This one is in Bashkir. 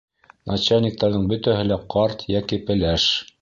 Начальниктарҙың бөтәһе лә ҡарт йәки пеләш!